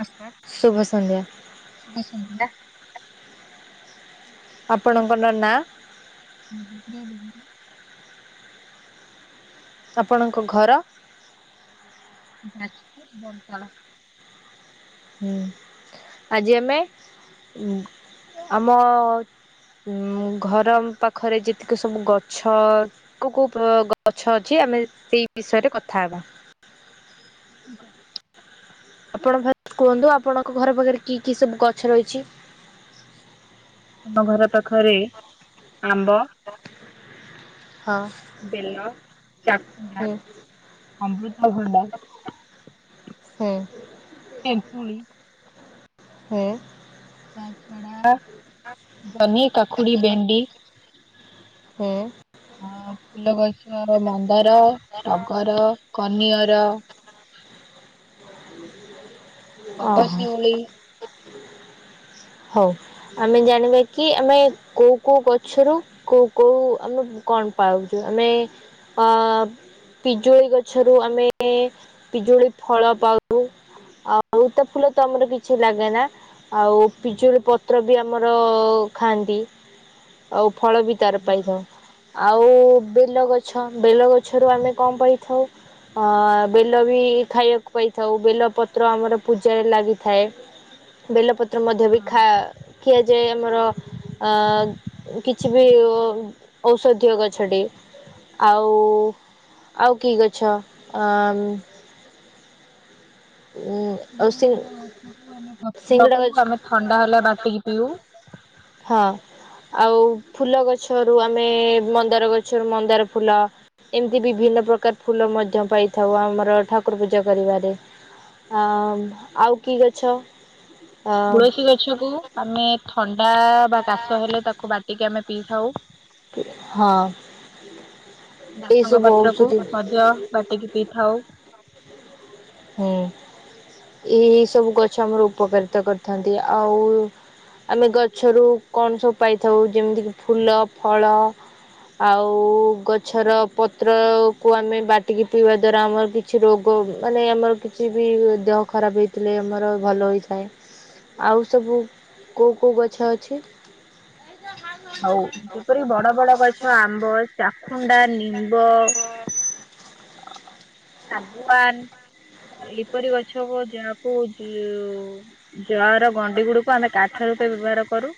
ନମସ୍କାର ଶୁଭ ସନ୍ଧ୍ୟା ଶୁଭ ସନ୍ଧ୍ୟା। ଆପଣଙ୍କର ନାଁ? ଗେଡି ବେହେରା। ଆପଣଙ୍କ ଘର? ଯାଜପୁର ବମପାଳ। ହୁଁ ଆଜି ଆମେ ଆମ ଘର ପାଖରେ ଯେତିକି ସବୁ ଗଛ କୋଉ କୋଉ ପ ଗଛ ଅଛି ଆମେ ସେଇ ବିଷୟରେ କଥା ହେବା। ଇଗ ଆପଣ ଫାଷ୍ଟ କୁହନ୍ତୁ ଆପଣଙ୍କ ଘର ପାଖରେ କି କି ସବୁ ଗଛ ରହିଛି? ଆମ ଘର ପାଖରେ ଆମ୍ବ ହଁ। ବେଲ, ଚାଖୁଣ୍ଡା, ହୁଁ ଅମୃତଭଣ୍ଡା ହୁଁ ତେନ୍ତୁଳି। ସେପ୍ ତାଛଡ଼ା ଜହ୍ନି, କାକୁଡ଼ି, ଭେଣ୍ଡି। ହୁଁ। ହଁ ଫୁଲଗଛର ମନ୍ଦାର, ଟଗର, କନିଅର। ଓହ ଗଙ୍ଗଶିଉଳି ହଉ। ଆମେ ଜଣିବାକି ଆମେ କୋଉ କୋଉ ଗଛରୁ କୋଉ କୋଉ ଆମେ କଣ ପାଉଛୁ ଆମେ ହଁ ପିଜୁଳି ଗଛରୁ ଆମେ ପିଜୁଳି ଫଳ ପାଉ। ଆଉ ତ ଫୁଲ ତମର କିଛି ଲାଗେ ନା ଆଉ ପିଜୁଳି ପତ୍ର ବି ଆମର ଖାଆନ୍ତି ଆଉ ଫଳ ବି। ତାର ପାଇଥାଉ ଆଉ ବେଲଗଛ ବେଲଗଛରୁ ଆମେ କଣ ପାଇଥାଉ? ହଁ ବେଲ ବି ଖାଇବାକୁ ପାଇଥାଉ ବେଲ ପତ୍ର ଆମର ପୂଜାରେ ଲାଗିଥାଏ। ବେଲପତ୍ର ମଧ୍ୟ ବି ଖା ସିଙ୍ଗଡାର ଖିଆଯାଏ ଆମର ଆ କିଛି ବି ଔଷଧୀୟ ଗଛଟି। ଆଉ ଆଉ କିି ଗଛ ଆଁ ଅ ଗଛ ସିଙ୍ଗଡ଼ା ଗଛ ପ ଆମେ ଥଣ୍ଡା ହେଲେ ବାଟିକି ପିଉ। ହଁ। ଆଉ ଫୁଲ ଗଛରୁ ଆମେ ମନ୍ଦାର ଗଛରୁ ମନ୍ଦାର ଫୁଲ। ଏମିତି ବିଭିନ୍ନ ପ୍ରକାର ଫୁଲ ମଧ୍ୟ ପାଇଥାଉ ଆମର ଠାକୁର ପୂଜା କରିବାରେ। ହଁ ଆଉ କି ଗଛ? ଅ ତୁଳସୀ ଗଛକୁ ଆମେ ଥଣ୍ଡା ବା କାଶ ହେଲେ ତାକୁ ବାଟିକି ଆମେ ପିଇଥାଉ। ହଁ ନାସଙ୍କ ଏଇସବୁ ପତ୍ର କୁ ଔଷଧି ମଧ୍ୟ ବାଟିକି ପିଇଥାଉ। ହୁଁ ଏ ସବୁ ଗଛ ଆମର ଉପକାରିତା କରିଥାନ୍ତି ଆଉ ଆମେ ଗଛରୁ କଣ ସବୁ ପାଇଥାଉ ଯେମିତିକି ଫୁଲ ଫଳ। ଆଉ ଗଛର ପତ୍ରକୁ ଆମେ ବାଟିକି ପିଇବା ଦ୍ଵାରା ଆମର କିଛି ରୋଗ। ମାନେ ଆମର କିଛି ବି ଦେହ ଖରାପ ହେଇଥିଲେ ଆମର ଭଲ ହୋଇଥାଏ। ଆଉ ସବୁ କୋଉ କୋଉ ଗଛ ଅଛି। ହଉ ଯେପରି ବଡ ବଡ ଗଛ ଆମ୍ବ ଚାଖୁଣ୍ଡା ନି ମ୍ୱ। ଶାଗୁଆନ ଏହିିପରି ଗଛ ଯାହାକୁ ଯି ଯାହାର ଗଣ୍ଡି ଗୁଡ଼ିକୁ ଆମେ କାଠ ରୂପେ ବ୍ୟବହାର କରୁ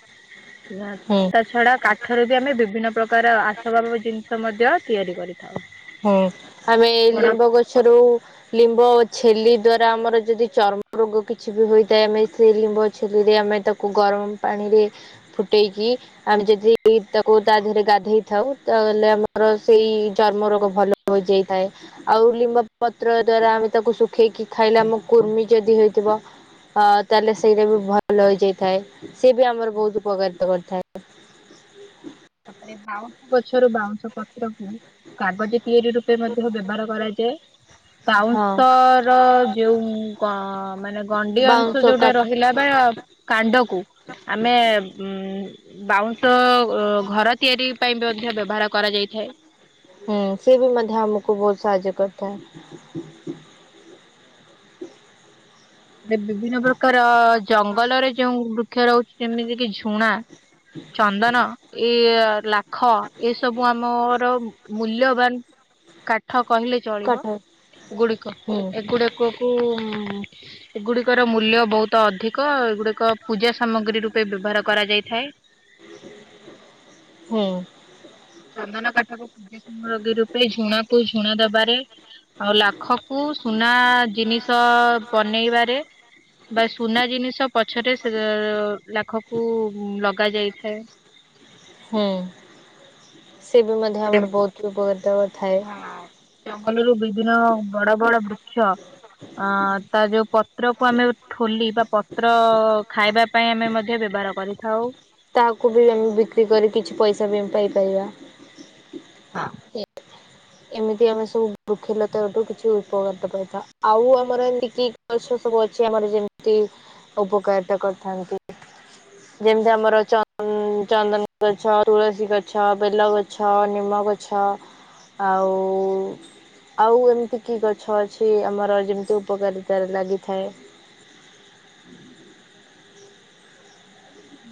ହୁଁ ତା ଛଡା କାଠରୁ ବି ଆମେ ବିଭିନ୍ନ ପ୍ରକାର ଆସବାବ ଜିନିଷ ମଧ୍ୟ ତିଆରି କରିଥାଉ। ହୁଁ ଆମେ ଏଇ ବଡ ଲିମ୍ବ ଗଛରୁ ଲିମ୍ବ ଛେଲି ଦ୍ଵାରା ଆମର ଯଦି ଚର୍ମ ରୋଗ କିଛି ବି ହୋଇଥାଏ ଆମେ ସେଇ ଲିମ୍ବ ଛେଲିରେ ଆମେ ତାକୁ କୁ ଗରମ ପାଣିରେ ଫୁଟେଇକି ଆମେ ଯଦି ତାକୁ ତା ଦେହରେ ଗାଧେଇ ଥାଉ ତାହେଲେ ଆମର ସେଇ ଚର୍ମ ରୋଗ ଭ ଭଲ ହୋଇଯାଇଥାଏ। ଆଉ ଲିମ୍ବ ପତ୍ର ଦ୍ଵାରା ଆମେ ତାକୁ ଶୁଖେଇକି ଖାଇଲେ ଆମ କୁର୍ମି ଯଦି ହେଇଥିବ ଅ ତାହେଲେ ସେଇଟା ବି ଭଲ ହେଇଯାଇଥାଏ ସିଏ ବି ଆମର ବହୁତ ଉପକାରିତ କରିଥାଏ। ତାପରେ ବାଉଁଶ ଗଛରୁ ବାଉଁଶ ପତ୍ରକୁ କାଗଜ ତିଆରି ରୂପେ ମଧ୍ୟ ବ୍ୟବହାର କରାଯାଏ। ହଁ ବାଉଁଶର ଯୋଉ ଗ ମାନେ ଗଣ୍ଡି ଅଂଶ ବାଉଁଶ ଯୋଉଟା କାଠ ରହିଲା ବା କାଣ୍ଡକୁ ଆମେ ଉ ବାଉଁଶ ଅ ଗ ଘର ତିଆରି ପାଇଁ ବେ ମଧ୍ୟ ବ୍ୟବହାର କରାଯାଇଥାଏ। ହୁଁ ସିଏବି ମଧ୍ୟ ଆମକୁ ବହୁତ ସାହାଯ୍ୟ କରିଥାଏ। [inaudible] ଏବେ ବିଭିନ୍ନ ପ୍ରକାର ଜଙ୍ଗଲରେ ଯୋଉ ବୃକ୍ଷ ରହୁଛି ଯେମିତି କି ଝୁଣା ଚନ୍ଦନ ଏଇ ଲାଖ ଏସବୁ ଆମର ମୂଲ୍ୟବାନ ଠ କହିଲେ ଚଳିବ କଟକ ଏ ଗୁଡିକ ହୁଁ ଏଗୁଡିକ କୁ ଏଗୁଡ଼ିକର ମୂଲ୍ୟ ବହୁତ ଅଧିକ ଏଗୁଡ଼ିକ ପୂଜା ସାମଗ୍ରୀ ରୂପେ ବ୍ୟବହାର କରାଯାଇଥାଏ। ହୁଁ। ଚନ୍ଦନ କାଠକୁ ପୂଜା ସାମଗ୍ରୀ ରୂପେ ଝୁଣା କୁ ଝୁଣା ଦବାରେ ଆଉ ଲାଖକୁ ସୁନା ଜିନିଷ ବନେଇବାରେ ବା ସୁନା ଜିନିଷ ପଛରେ ସେ ଅ ଲାଖକୁ ଲଗା ଯାଇଥାଏ। ହୁଁ ସେ ବି ମଧ୍ୟ ଆମର ବହୁତ ଉପକାରିତା କରି ଥାଏ। ହଁ ଜଙ୍ଗଲରୁ ବିଭିନ୍ନ ବଡ ବଡ ବୃକ୍ଷ ଅ ତା ଯୋଉ ପତ୍ରକୁ ଆମେ ଠୋଲି ବା ପ ତ୍ର ଖାଇବା ପାଇଁ ଆମେ ମଧ୍ୟ ବ୍ୟବହାର କରିଥାଉ। ତାହାକୁ ବି ଆମେ ବିକ୍ରି କରି କିଛି ପଇସା ବି ଆମେ ପାଇପାରିବା। [unintelligible] ଏ ଏମିତି ଆମେ ସବୁ ବୃକ୍ଷଲତାଠୁ କିଛି ଉପକାରିତା ପାଇଥାଉ ଆଉ ଆମର ଏମିତି କି ଗଛ ସବୁ ଅଛି ଆମର ଯେମିତି ଉପକାରିତା କରିଥାନ୍ତି। ଯେମିତି ଆମର ଚ ହଁ ଚାନ୍ଦନ ଗଛ ତୁଳସୀ ଗଛ ବେଲ ଗଛ ନିମ ଗଛ ଆଉ ଆଉ ଏମିତି କି ଗଛ ଅଛି ଆମର ଯେମିତି ଉପକାରିତାରେ ଲାଗିଥାଏ। ହୁଁ।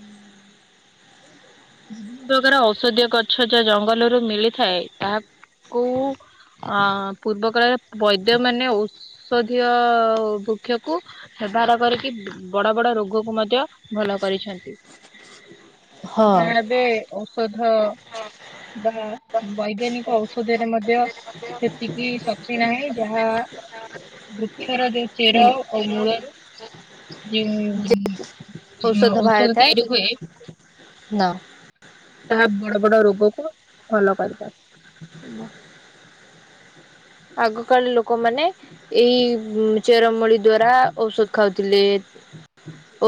ବିଭିନ୍ନ ପ୍ରକାର ଔଷଧୀୟ ଗଛ ଯହା ଜଙ୍ଗଲରୁ ମିଳିଥାଏ ତାହା କୁ ପୂର୍ବ କାଳରେ ବୈଦ୍ୟ ମାନେ ଓୋଷ ଔଷଧୀୟ ବୃକ୍ଷକୁ ହେବହାର କରିକି ବଡ ବଡ ରୋଗକୁ ମଧ୍ୟ ଭଲ କରିଛନ୍ତି। ଯାହା ହଁ ଏବେ ଔଷଧ ବା ବୈଜ୍ଞାନିକ ଔଷ ଷଧରେ ମଧ୍ୟ ସେତିକି ଶକ୍ତି ନାହିଁ ଯାହା ବୃକ୍ଷର ଯୋଉ ଚେର ଆଉ ମୂଳରୁ ଯେଉ ଉଁ ଉଁ ଔଷଧ ତିଆରି ହୁଏ ନା। ତାହା ବଡ-ବଡ ରୋଗକୁ ଭଲ କରିପାରେ। [inaudible] ଆଗକାଳ ଲୋକମାନେ ଏଇ ଚେରମୂଳି ଦ୍ଵାରା ଔଷଧ ଖାଉଥିଲେ।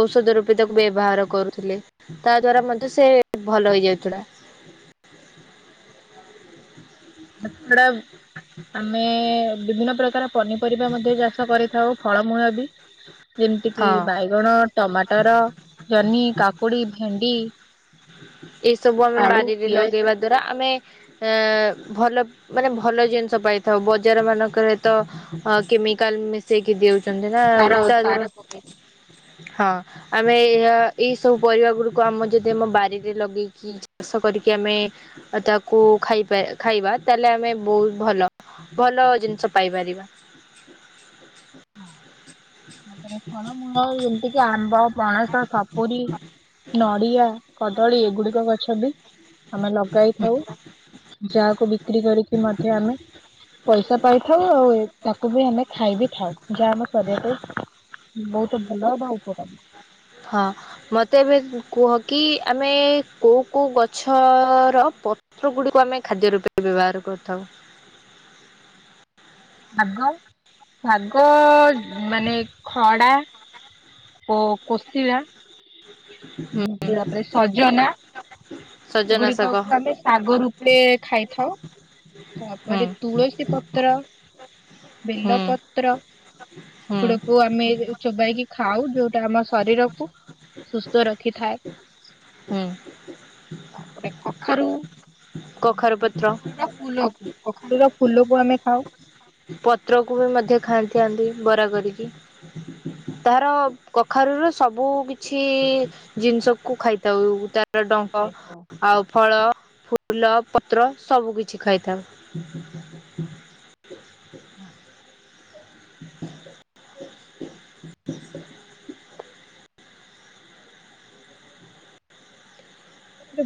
ଔଷଧ ରୂପେ ତାକୁ ବ୍ୟବହାର କରୁଥିଲେ, ତା ଦ୍ଵାରା ମଧ୍ୟ ସେ ଭଲ ହେଇଯାଉଥିଲା। ତା ଛଡା ଆମେ ବିଭିନ୍ନ ପ୍ରକାର ପନିପରିବା ମଧ୍ୟ ଚାଷ କରିଥାଉ। ଫଳମୂଳ ବି, ଯେମିତି କିି ହଁ। ବାଇଗଣ ଟମାଟର, ଜହ୍ନି, କାକୁଡି, ଭେଣ୍ଡି ଏଇସବୁ ଆମେ ଆଳୁ ବାରିରେ ପିଆଜ ଲଗେଇବା ଦ୍ଵାରା ଆମେ ଭଲ ମାନେ ଭଲ ଜିନିଷ ପାଇଥାଉ, ବଜାର ମାନଙ୍କରେ ତ କେମିକାଲ୍ ମି ସେଇକି ଦେଉଚନ୍ତି ନା ସାର ତା ସାର ପକେଇ [unintelligible] ହଁ। ଆମେ ଏହା ଏଇ ସବୁ ପରିବା ଗୁଡିକୁ ଆମ ଯଦି ଆମ ବାରିରେ ଲଗେଇକି ଚାଷ କରିକି ଆମେ ତାକୁ ଖାଇ ଖାଇବା ତାହେଲେ ଆମେ ବହୁତ୍ ଭଲ ଭଲ ଜିନିଷ ପାଇପାରିବା। ତା ପରେ ଫଳ ମୂଳ ଯେମ୍ତି କି ଆମ୍ବ ପଣସ, ସପୁରୀ, ନଡ଼ିଆ, କଦଳୀ ଏଗୁଡିକ ଗଛ ବି ଆମେ ଲଗାଇଥାଉ, ଯାହାକୁ ବିକ୍ରି କରିକି ମଧ୍ୟ ଆମେ ପଇସା ପାଇଥାଉ, ଆଉ ତାକୁ ବି ଆମେ ଖାଇବି ଥାଉ। ଯାହା ଆମ ଶରୀର ପାଇଁ ବହୁତ ଭଲ ବା ଉପକାରି। ହଁ। ମତେ ଏବେ କୁହ କି ଆମେ କୋଉ-କୋଉ ଗଛର ପ [unintelligible] ଗୁଡ଼ିକୁ ଆମେ ଖାଦ୍ୟ ରୂପେ ବ୍ୟବହାର କରିଥାଉ? ଭାଗ ଭାଗ ମାନେ ଖଡା ଓ କୋସିଳା ହୁଁ। ସଜନା ସଜନା ସେଗୁଡିକ ଶାଗ କୁ ଆମେ ଶାଗରୁ ପେ ଖାଇଥାଉ, ହୁଁ ତାପରେ ତୁଳସୀ ପତ୍ର ହୁଁ ବେଲପତ୍ର ହୁଁ ସେଗୁଡ଼କୁ ଆମେ ଚୋବାଇକି ଖାଉ, ଯୋଉଟା ଆମ ଶରୀରକୁ ସୁସ୍ଥ ରଖିଥାଏ। ହୁଁ। ତାପରେ କଖାରୁ କଖାରୁ ପତ୍ର ଫୁଲ କଖାରୁ ର ଫୁଲକୁ ଆମେ ଖାଉ। ପତ୍ରକୁ ବି ମଧ୍ୟ ଖାଆନ୍ତି ଥାନ୍ତି ବରା କରିକି। ତାର କଖାରୁ ର ସବୁକିଛି ଜିନିଷକୁୁ ଖାଇଥାଉ, ତାର ଡଙ୍କ ଖାଇଥାଉ ଆଉ ଫଳ ଫୁ ଫୁଲ ପତ୍ର ସବୁକିିଛି ଖାଇଥାଉ। ହଁ।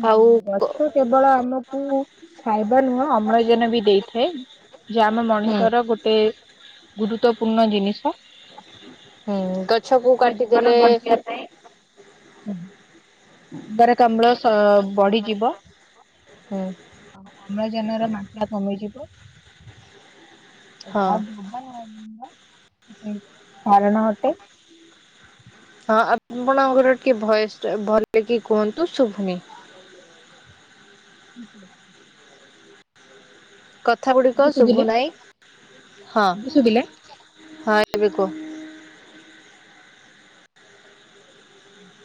ଆଉ ଗଛ କେବଳ ଆମକୁ ଖାଇବା ନୁହଁ ଅମ୍ଳଜାନ ବି ଦେଇଥାଏ। ଯେ ଆମ ହୁଁ ମଣିଷର ଗୋଟେ ଗୁରୁତ୍ଵପୂର୍ଣ୍ଣ ଜିନିଷ। ହୁଁ ଗଛକୁ ସୁସ୍ଥ ଜୀବନ କାଟିଦେଲେ ବଞ୍ଚିବା ପାଇଁ ଅଙ୍ଗାରକାମ୍ଳ ବଢିଯିବ ହୁଁ ଆଉ ଅମ୍ଳଜାନର ମାତ୍ରା କମିଯିବ। [unintelligible] ହଁ ଯାହା ଗ୍ଲୋବଲ୍ ୱାର୍ମିଂ ର କାରଣ ଅଟେ। ହଁ ଆପଣଙ୍କର ଟିକେ ଭଏସ୍ ଭଲକି କୁହନ୍ତୁ ଶୁଭୁନି। [unintelligible] କଥା ଗୁଡିକ ଏବେ ଶୁଭୁ ଶୁଭିଲା ନାହିଁ, ଏବେ ଶୁଭିଲା ହଁ-ହଁ ଏବେ କୁହ।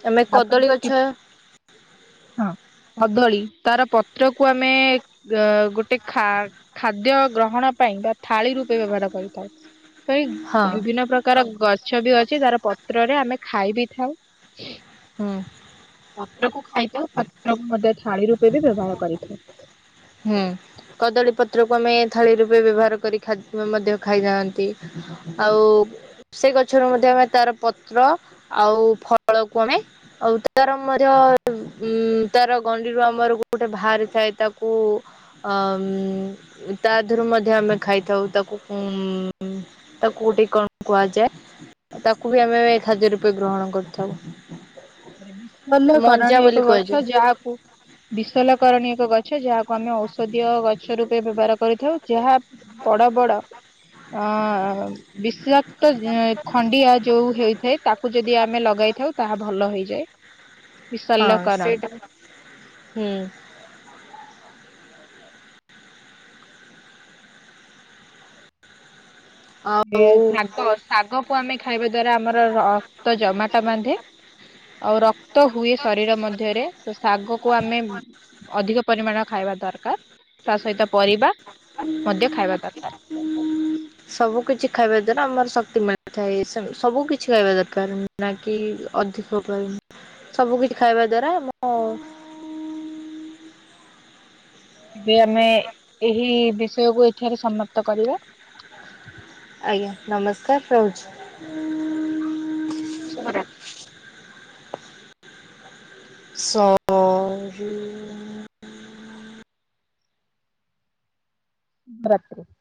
ଆମେ କଦଳୀ ଗଛ ହଁ। କଦଳୀ ତାର ପତ୍ରକୁ ଆମେ, ଅ ଗୋଟେ ଖା ଖାଦ୍ୟ ଗ୍ରହଣ ପାଇଁ, ବା ଥାଳି ରୂପେ ବ୍ୟବହାର କରିଥାଉ। ତ ହଁ ବିଭିନ୍ନ ପ୍ରକାର ତାର ଗଛ ବି ଅଛି। ତାର ପତ୍ରରେ ଆମେ ଖାଇ ବିି ଥାଉ। ହୁଁ। ପାତ୍ରକୁୁ ଖାଇଥାଉ। ପାତ୍ରକୁ ମଧ୍ୟ ଥାଳି ରୂପେ ବି ବ୍ୟବହାର କରିଥାଉ। ହୁଁ କଦଳୀ ପତ୍ରକୁ ଆମେ ଥାଳି ରୂପେ ବ୍ୟବହାର କରି ମଧ୍ୟ ଖାଇଥାନ୍ତି। ଆଉ ସେ ଗଛରୁ ମଧ୍ୟ ଆମେ ତାର ପତ୍ର ଆଉ ଫଳକୁ ଆମେ ଆଉ ତାର ମଧ୍ୟ ଉଁ ତାର ଗଣ୍ଡିରୁ ଆମର ଗୋଟେ ବାହାରି ଥାଏ। ତାକୁ ଓ ଅମ୍ ତା ଦେହରୁ ମଧ୍ୟ ଆମେ ଖାଇଥାଉ। ତାକୁ ତାକୁ କୋଉଠି କଣ କୁହାଯାଏ ତାକୁ ବି ଆମେ ଖାଦ୍ୟ ରୂପେ ଗ୍ରହଣ କରିଥାଉ। ତାପରେ ବିଶଲ ମଞ୍ଜା କରଣୀ ବୋଲି ଏକ କୁହାଯାଏ ଗଛ ଯାହାକୁ ବିଶଲକରଣୀୟ ଏକ ଗଛ। ଯାହାକୁ ଆମେ ଔଷଧୀୟ ଗଛ ରୂପେ ବ୍ୟବହାର କରିଥାଉ। ଯାହା ବଡ ବଡ ଅ ବିଷାକ୍ତ ଖଣ୍ଡିଆ ଯୋଉ ହେଇଥାଏ। ତାକୁ ଯଦି ଆମେ ଲଗାଇଥାଉ। ତାହା ଭଲ ହେଇଯାଏ ହଁ ବିଶଲ୍ୟ କରଣୀ। ସେଇଟା ହମ୍ ଆଉ ଶାଗ କୁ ଆମେ ଖାଇବା ଦ୍ଵାରା ଆମର ରକ୍ତ ଜମାଟ ବାନ୍ଧେ। ଆଉ ରକ୍ତ ହୁଏ। ଶରୀର ମଧ୍ୟରେ ତ ଶାଗ କୁ ଆମେ ଅଧିକ ପରିମାଣରେ ଖାଇବା ଦରକାର। ତା ସହିତ ପରିବା ମଧ୍ୟ ଖାଇବା ଦରକାର। ସବୁ କିିଛି ଖାଇବା ଦ୍ଵାରା ଆମର ଶକ୍ତି ମିଳିଥାଏ। ସବୁ କିଛି ଖାଇବା ଦରକାର। ନା କିି ଅଧିକ ପାଈଁ, ସବୁ କିଛି ଖାଇବା ଦ୍ଵାରା ମୁଁ ଏବେ ଆମେ ଏହି ବିଷୟକୁ ଏଠାରେ ସମାପ୍ତ କରିବା। ଆଜ୍ଞା ନମସ୍କାର ରହୁଛି। [unintelligible] [unintelligible] [unintelligible] [inaudible]